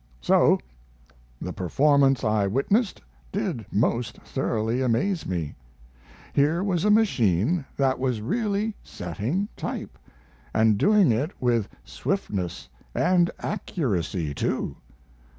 So, the performance I witnessed did most thoroughly amaze me. Here was a machine that was really setting type, and doing it with swiftness and accuracy, too.